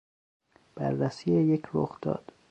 بررسی یک رخداد